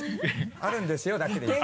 「あるんですよ」だけでいい。